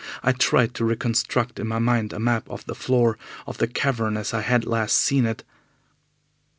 I tried to reconstruct in my mind a map of the floor of the cavern as I had last seen it.